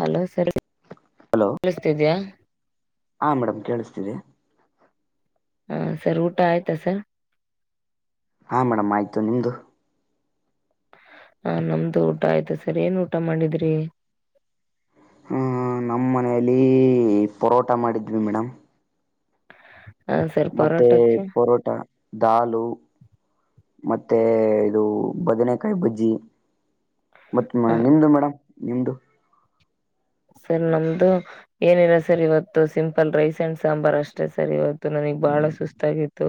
Hello sir ಕೇಳಿಸ್ತಿದ್ಯಾ. ಹಾ madam ಕೇಳಸ್ತಿದೆ. ಹಾ ಸರ್ ಊಟ ಆಯ್ತಾ ಸರ್. ಹಾ ಮೇಡಮ್ ಆಯ್ತು ನಿಮ್ದು. ಹಾ ನಮ್ದು ಊಟ ಆಯ್ತು ಸರ್ ಏನ್ ಊಟ ಮಾಡಿದ್ರಿ. ಹ್ಮೂ ನಮ್ಮನೆ ಲೀ ಪರೋಟ ಮಾಡಿದ್ವಿ ಮೇಡಮ್. ಹ ಸರ್ ಮತ್ತೆ ಪರೋಟಕ್ಕೆ ಪರೋಟ, ದಾಲು ಮತ್ತೆ ಇದು ಬದನೆಕಾಯ್ ಬಜ್ಜಿ. ಮತ್ ಮ ಹ ನಿಮ್ದು ಮೇಡಮ್ ನಿಮ್ದು. ಸರ್ ನಮ್ದು ಏನಿಲ್ಲ ಸರ್ ಇವತ್ತು ಸಿಂಪಲ್ ರೈಸ್ ಆಂಡ್ ಸಾಂಬಾರ್ ಅಷ್ಟೆ ಸರ್ ಇವತ್ ತ್ತು ನನಿಗ್ ಬಾಳ ಸುಸ್ತಾಗಿತ್ತು.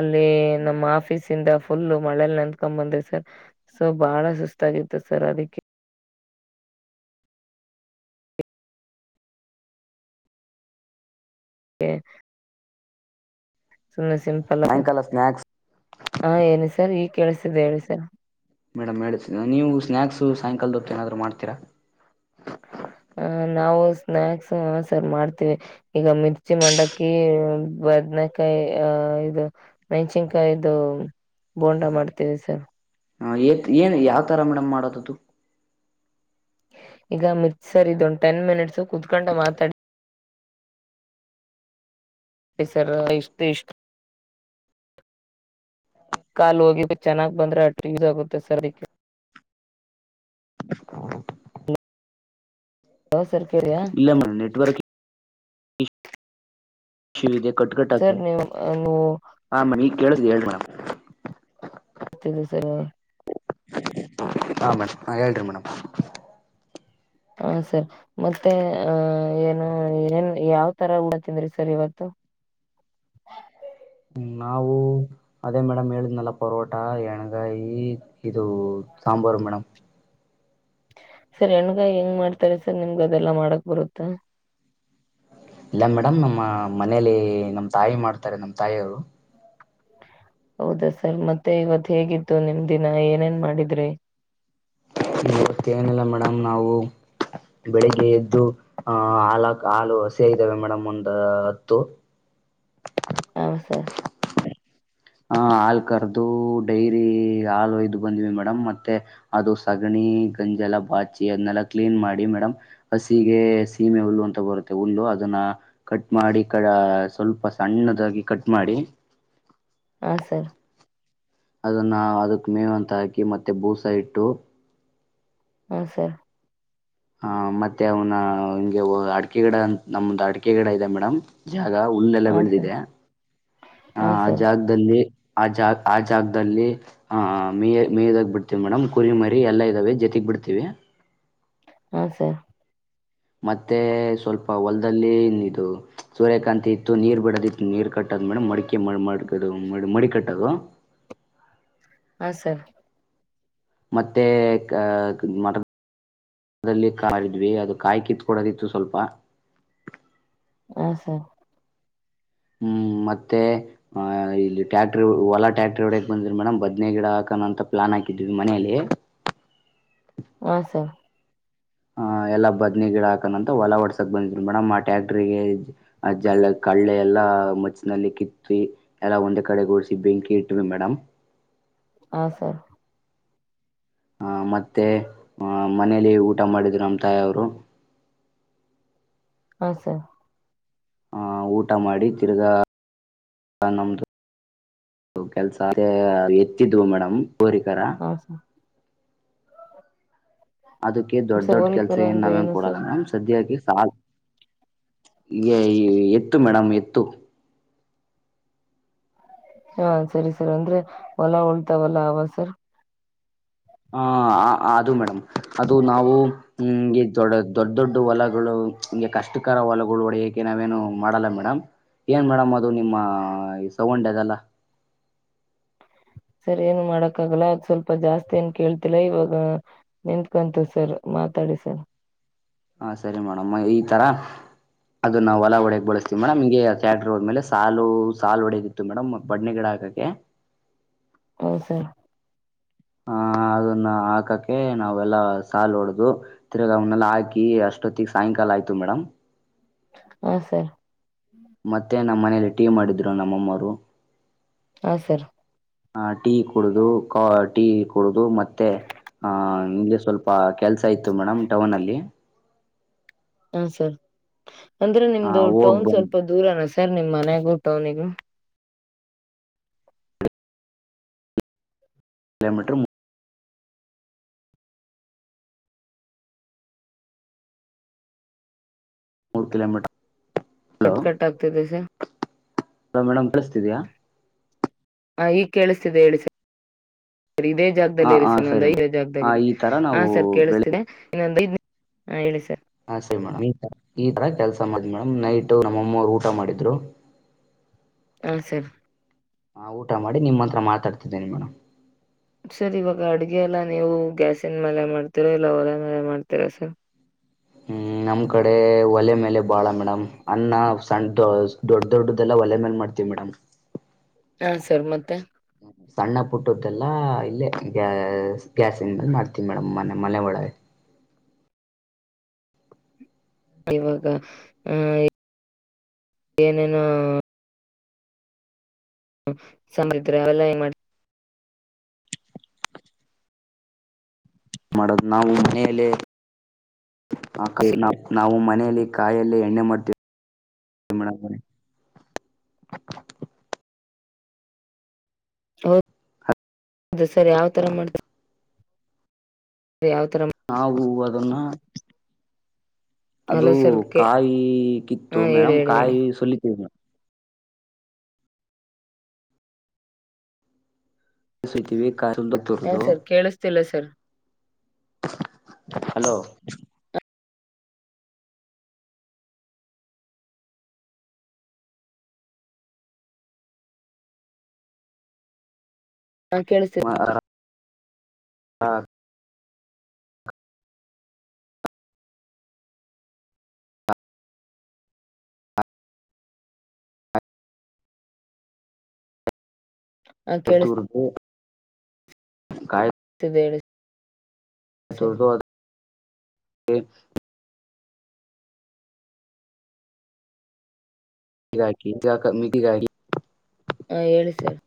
ಅಲ್ಲಿ ನಮ್ಮ ಆಫೀಸ್ ಇಂದ ಫುಲ್ಲ ಮಳೇಲ್ ನೆಂದ್ಕೊಂಡ್ ಬಂದೆ ಸರ್ ಸೊ ಬಾಳ ಸುಸ್ತಾಗಿತ್ತು ಸರ್ ಅದಕ್ಕೆ [inaudible] ಸುಮ್ನೆ ಸಿಂಪಲ್ಲು ಸರ್ ಸಾಯಂಕಾಲ ಸ್ನಾಯಕ್ಸ್ ಹಾ ಏನು ಸರ್ ಈಗ್ ಕೆೇಳಸ್ತಿದೆ ಹೇಳಿ ಸರ್. ಮೇಡಮ್ ಹೇಳಿ ನೀವು ಸ್ನ್ಯಾಕ್ಸ್ ಸಾಯಂಕಾಲದೊತ್ತು ಏನಾದ್ರು ಮಾಡ್ತೀರಾ. ಆ ನಾವು ಸ್ನ್ಯಾಕ್ಸ್ ಹೂಂ ಸರ್ ಮಾಡ್ತಿವಿ ಈಗ ಮಿರ್ಚಿ, ಮಂಡಕ್ಕಿ, ಬದನಕಾಯಿ ಇದು ಮೆಣ್ಸಿನ್ಕಾಯ್ದು ಬೋಂಡಾ ಮಾಡ್ತಿವಿ ಸರ್. ಹಾ ಏತ್ ಏನ್ ಯಾವ್ ತರ ಮೇಡಮ್ ಮಾಡೋದದು. ಈಗ ಮಿತ್ಸರ್ ಇದೊಂದು ಟೆನ್ ಮಿನಿಟ್ಸು ಕುತ್ಕೊಂಡ ಮಾತಾಡಿ ಸರ ಇಷ್ಟ್ ಇಷ್ಟ ಕಾಲು ಹೋಗಿ ಚೆನ್ನಾಗ್ ಬಂದ್ರೆ ಅಟ್ಟು ಯೂಸ್ ಆಗುತ್ತೆ ಸರ್ ಅದಿಕ್ಕೆ. ಯಸರ್ ಇಲ್ಲ ಮೇಡಮ್ ನೆಟ್ವರ್ಕ್ ಶರುದ ಕಟ್ ಕಟ್ ಸರ್ ಆಗ್ತಿದೆ ನೀವು ನೀವು ಆ ಮೇಡಂ ಈಗ್ ಕೇಳಸ್ತಿದೆ ಹೇಳಿ ಮೇಡಂ ತ್ತಿದೀರ್ ಸರ್ ನೀವು. ಹಾ ಮೇಡಮ್ ಹಾ ಹೇಳ್ರಿ ಮೇಡಮ್. ಹಾ ಸರ್ ಮತ್ತೆ ಅ ಏನು ಏನ್ ಯಾವ್ ತರ ಊಟ ತಿಂದ್ರಿ ಸರ್ ಇವತ್ತು. ಹೂಂ ನಾವು ಅದೇ ಮೇಡಮ್ ಹೇಳಿದ್ನಲ್ಲ ಪರೋಟ ಎಣಗಾಯಿ ಇದು ಸಾಂಬಾರು ಮೇಡಮ್. ಸರ್ ಎಣ್ಗಾಯ್ ಹೆಂಗ್ ಮಾಡ್ತಾರೆ ಸರ್ ನಿಮ್ಗ್ ಅದೆಲ್ಲಾ ಮಾಡಕ್ ಬರುತ್ತಾ. ಇಲ್ಲ ಮೇಡಮ್ ನಮ್ಮ ಮನೇಲಿ ನಮ್ ತಾಯಿ ಮಾಡ್ತಾರೆ ನಮ್ ತಾಯಿಯವ್ರು. ಹೌದಾ ಸರ್ ಮತ್ತೆ ಇವತ್ ಹೇಗಿತ್ತು ನಿಮ್ ದಿನ ಏನೇನ್ ಮಾಡಿದ್ರಿ. ತ್ತ ಏನಿಲ್ಲ ಮೇ‌ ಡಂ ನಾವು ಬೆಳಿಗ್ಗೆ ಎದ್ದು ಅ ಹಾಲಾಕ ಹಾಲು ಹಸಿ ಐದವೆ ಮೇಡಮ್ ಒಂದು ಹತ್ತು. ಹೂಂ ಸರ್. ಹಾ ಹಾಲು ಕರ್ದು ಡೈರಿ ಹಾಲುಯ್ದು ಬಂದ್ವಿ ಮೇಡಮ್ ಮತ್ತೆ ಅದು ಸಗಣಿ, ಗಂಜಲ ಬಾಚಿ ಅದನೆೆಲ್ಲ ಕ್ಲೀನ್ ಮಾಡಿ ಮೇಡಮ್ ಹಸಿಗೆ ಸೀಮೆ ಹುಲ್ಲು ಅಂತ ಬರುತ್ತೆ ಹುಲ್ಲು ಅದನ್ನ ಕಟ್ ಮಾಡಿ ಕ ಸ್ವಲ್ಪ ಸಣ್ಣದಾಗಿ ಕಟ್ ಮಾಡಿ ಹಾ ಸರ್. ಅದನ್ನ ಅದಕ್ ಮೇವಂತ ಹಾಕಿ ಮತ್ತೆ ಬೂಸ ಇಟ್ಟು ಹೂಂ ಸರ್. ಹಾ ಮತ್ತೆ ಅವ್ನ ಹಂಗೆ ಅಡಕೆ ಗಿಡ ನಮ್ದ ಅಡಿಕೆ ಗಿಡ ಇದೆ ಮೇಡಮ್ ಜಾಗ ಉಲ್ಲೆಲ್ಲ ಹಾ ಸರ್ ಬೆಳೆದಿದೆ. ಹಾ ಆ ಜಾಗದಲ್ಲಿ ಆ ಜಾ ಆ ಜಾಗದಲ್ಲಿ ಹಾ ಮೇಯ ಮೇಯ್ದಾಕ್ ಬಿಡ್ತೀವ್ ಮೇಡಮ್. ಕುರಿಮರಿ ಎಲ್ಲಾ ಇದ್ದಾವೆ ಜತಿಗ್ ಬಿಡ್ತೀವಿ ಹಾ ಸರ್. ಮತ್ತೆ ಸ್ವಲ್ಪ ಹೊಲ್ದಲ್ಲಿ ಇಲ್ ಇದು ಸೂರ್ಯಕಾಂತಿ ಇತ್ತು ನೀರ್ ಬಿಡದಿತ್ತು ನೀರ್ ಕಟ್ ಮೇಡಮ್ ಮಡಿಕೆ ಮಡ ಮಡ್ ಮಡಿ ಕಟ್ಟದು. ಹಾ ಸರ್. ಮತ್ತೆ ಕ ಮನ್ ಅದ್ರಲ್ಲಿ ಕಾಲಿದ್ವಿ ಅದು ಕಾಯ್ ಕಿತ್ಕೊಡೋದಿತ್ತು ಸ್ವಲ್ಪ. ಹಾ ಸರ್. ಹ್ಮ್ ಮತ್ತೆ ಹಾಯ್ ಇಲ್ಲಿ ಟ್ಯಾಕ್ಟರ್ ಒಲಾ ಟ್ಯಾಕ್ಟರ್ ಒಡ್ಯಾಕ್ ಬಂದಿದ್ರ ಮೇಡಮ್ ಬದ್ನೆಗಿಡ ಅಂತ ಪ್ಲಾನ್ ಆ ಕಿದ್ವಿ ಮನೇಲ್ಲಿ. ಹಾ ಸರ್. ಆಹ್ ಎಲ್ಲ ಬದ್ನಿ ಗಿಡ ಹಾಕನಂತ ಹೊಲ ಹೊಡ್ಸಕ್ ಬಂದಿದ್ವಿ ಮೇಡಮ್ ಆ ಟ್ಯಾಕ್ಟ್ರಿಗೆ ಜ ಕಳ್ಳೆ ಎಲ್ಲ ಮಚ್ಚಿನಲ್ಲಿ ಕಿತ್ತ ಎಲ್ಲಾ ಒಂದೇ ಕಡೆ ಗೂಡಿಸಿಿ ಬೆಂಕಿ ಇಟ್ವಿ ಮೇಡಮ್. ಹಾ ಸರ್. ಆ ಮತ್ತೆ ಆ ಮನೇಲಿ ಊಟ ಮಾಡಿದ್ರು ನಮ್ಮ ತಾಯಿ ಅವ್ರು. ಹಾ ಸರ್. ಆ ಊಟ ಮಾಡಿ ತಿರ್ಗಾ ನಮ್ದು ಕೆಲ್ಸ ಅ ಎತ್ತಿದ್ವು ಮೇಡಮ್. ಹೋರಿ ಕರ. ಹಾ ಸರ್ ಹಾ ಅದಕ್ಕೆ ದೊಡ್ಡ ಸರ್ ಸರ್ ದೊಡ್ಡ ಕೆಲ್ಸ ಹೋಲಿಕರ ಏನ್ ಅಂದ್ರೆ ನಾವೇನ್ ಏನು ಸರ್ ಕೊಡಲ್ಲ ಸದ್ಯಾಗಿ ಆ ಎ ಎತ್ತು ಮೇಡಮ್ ಎತ್ತು. ಹಾ ಸರಿ ಸರ್ ಅಂದ್ರೆ ಹೊಲ ಉಳ್ತಾವಲ್ಲ ಅವಾ ಸರ್. ಹಾ ಹ ಅ ಅದು ಮೇಡಮ್ ಅದು ನಾವು ಹ್ಮ್ [unintelligible] ದೊಡ್ಡ ದೊಡ್ಡ ಹೊಲಗಳು ಚ ಹೀಗೆ ಕಷ್ಟಕರ ಹೊಲಗಳು ಹೊಡೆಯೋಕ್ಕೆ ನಾವೇನು. ಮಾಡಲ್ಲ ಮೇಡಮ್. ಏನ್ ಮೇಡಮ್ ಅದು ನಿಮ್ಮ ಸೌಂಡ ಅದೆಲ್ಲ. ಸರ್ ಏನು ಮಾಡಕ್ಕಾಗಲ್ಲ ಅದ ಸ್ವಲ್ಪ ಜಾಸ್ತಿ ಏನ್ ಕೇಳ್ತಿಲ್ಲ ಇವಾಗ ನಿಂತ್ಕಂತು ಸರ್ ಮಾತಾಡಿ ಸರ್. ಹಾ ಸರಿ ಮೇಡಮ್ ಈ ತರ. ಅದನ್ನಾವು ಒಲ ಹೊಡೆಗೆ ಬಳಸ್ತೀವಿ ಮೆಡಮ್ಮಂಗೆ ಸ್ಯಾಡ್ರ ಹೋದ್ಮೇಲೆ. ಸಾಲು ಸಾಲು ಹೊಡೆದಿತ್ತು ಮೇಡಮ್ ಬದ್ನೆ ಗಿಡ ಆಗಕ್ಕೆ. ಹೌದ್ ಸರ್. ಹಾ ಅದನ್ನ ಹಾಕಕ್ಕೆ ನಾವೆಲ್ಲ ಸಾಲು ಹೊಡ್ದು ತಿರ್ಗಾ ಅವನ್ನೆಲ್ಲ ಹಾಕಿ ಅಷ್ಟೊತ್ತಿಗೆ ಸಾಯಂಕಾಲ ಆಯ್ತು ಮೇಡಮ್. ಹಾ ಸರ್. ಮತ್ತೆ ನಮ್ಮ ಮನೇೆಯಲ್ಲಿ ಟೀ ಮಾಡಿದ್ದರು ನಮ್ಮಮ್ಮರು. ಹಾ ಸಾರ್. ಆ ಟೀ ಕುಡುದು [unintelligible] ಟೀ ಕುಡುದು ಮತ್ತೆ ಆ ಇಂಗೆ ಸ್ವಲ್ಪ ಕೆಲ್ಸ. ಇತ್ತು ಮೇಡಮ್ ಟೌನ್ನಲ್ಲಿ. ಹ ಸರ್ ಅಂದ್ರೆ ನಿಮ್ದು ಹೋಗ್ ಟೌನ್ ಬಂದ್ ಸ್ವಲ್ಪ ದೂರನ ಸಾ ಸರ್ ನಿಮ್ಮನೆಗು ಟೌನಿಗೂ. ಕಿಲೋಮೀಟರ್ ಮೂ ಮೂರು ಕಲೋಮೀಟ ಕಟ್ಕಟ್ ಆಗ್ತದೆಸ. ಹಲೋ ಮೇಡಮ್ ಕಳಸ್ತಿದಯಾ. ಹ ಈಗ ಕೇಳಿಸ್ತಿದೆ ಹೇಳಿ ಸಾರ್. ಇದೇ ಹಾ ಜಾಗದಲ್ಲಿ ಇರಿ ಹಾ ಸರ್ ಸರಿ ಇನ್ನೊಂದ್ ಐದೇ ಹ ಜಾಗದಾಗರಿ ಈ ತರ ಹಾ ನಾವು ಸರ್ ಬೆಳಿಗ್ಗೆ ಕೇಳಿಸ್ತಿದೆ ಇನ್ನೊಂದ್ ಐ ಹಾ ಹೇಳಿ ಸರ್. ಹಾ ಸರಿ ಮೇಡಮ್ ಈ ಈ ತರ ಕೆಲ್ಸ ಮಾಡಿ ಮೇಡಮ್ ನೈಟ್ ನಮ್ಮಮ್ಮರು ಊಟ ಮಾಡಿದ್ರು. ಹ ಸರ್. ಹಾ ಊಟ ಮಾಡಿ ನಿಮ್ಮ ಹತ್ರ ಮಾತಾಡ್ತಿದ್ದೇನಿ ಮೇಡಮ್. ಸರ್ ಇವಾಗ ಅಡ್ಗೆ ಎಲ್ಲ ನೀವು ಗ್ಯಾಸಿನ ಮಲೆ ಮಾಡ್ತೀರಾ ಇಲ್ಲ ಹೊಲೆ ಮಲೆ ಮಾಡ್ತೀರಾ ಸರ್. ಹ್ಮ್ ನಮ್ ಕಡೆ ಒಲೆ ಮೇಲೆ ಬಾಳ ಮೇಡಮ್ ಅನ್ನ ಸಣ್ಣ ದ ದೊಡ್ಡ ದೊಡ್ಡ್ದಲ್ಲ ಒಲೆ ಮೇಲೆ ಮಾಡ್ತೀವಿ ಮೇಡಮ್. ಹಾ ಸರ್ ಮತ್ತೆ. ಸಣ್ಣ ಪುಟ್ಟದ್ದೆಲ್ಲಾ ಇಲ್ಲೇ ಗ್ಯಾ ಗ್ಯಾಸನ್ ಮೇಲೆ ಮಾಡ್ತೀವಿ ಮೇಡಮ್ ಮನೆ ಮನೆ ಒಳಗೆ. ಇವಾಗ ಆ ಏನೇನೊ. [unintelligible] ಮಾಡದ್ ನಾವು ಮನಯಲ್ಲೆ [unintelligible] ನಾವು ಮನಯಲ್ಲಿ ಕಾಯಲ್ಲೇ ಎಣ್ಣೆ ಮಾಡ್ತವಿ. ಮೇಡಂ ಅವ್ರೆ. ಹೌ ಹೌದು ಸರ್ ಯಾವತರ ಮಾಡ ಅದೇ ಯಾವತರ. ಅವು ಅದನ್ನ. ಅದು ಹಲೋ ಸರ್ ಕೆ ಕಾಯಿ ಕಿತ್ತು ಹಾ ಹೇಳಿ ಮೇಡಮ ಹೇಳಿ ಹೇಳಿ ಕಾಯಿ ಸುಲಿತೀವಿ. [unintelligible] ಹಾ ತುರ್ದು ಸರ್ ಕೇಳಿಸತ್ತಿಲ್ಲ ಸರ್. ಹಲೋ ಹಾ ಕೇಳಿಸ್ತಿದೆ [unintelligible] ಹಾ ಹಾ ತುರ್ದು. ಕಾಯ್. [unintelligible] ಸರ್ [unintelligible] [unintelligible] [unintelligible] ಹಾ ಹೇಳಿ ಸಾರ್.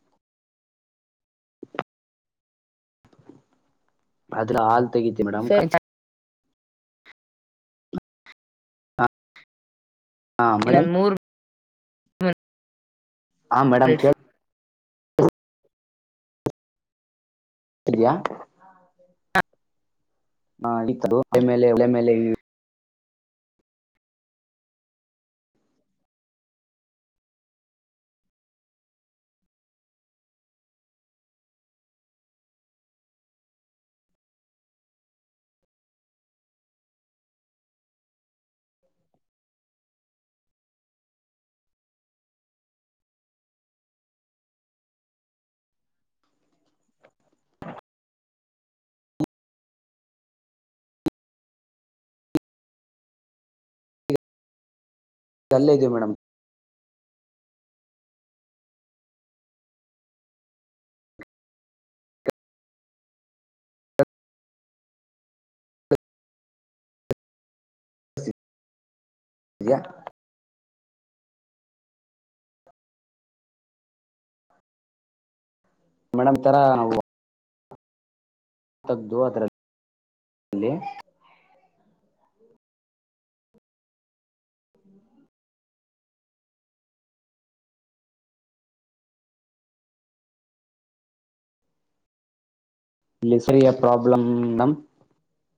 [unintelligible] ತೆಗೀತಿ ಮೇಡಮ್. ಸರ್ ಹಾ ಮೇಡಮ್. ಇನ್ನೊಂದ್ [inaudible] ಹಾ ಮೇಡಮ್ ಮಿನಿಟ್ಸ್ ಕೇಳ ದಿಯಾ. [unintelligible] [unintelligible] ಅದು ಮೇಡಮ್ ಯ ಮೇಡಮ್ ತರಾ ನಾವು. ತಗ್ದದು ಅದರಲ್ಲಿ. ಲಿ ಸ್ರಿಯ ಪ್ರಾಬ್ಲಂ [unintelligible]